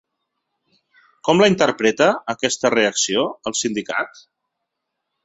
Com la interpreta, aquesta reacció, el sindicat?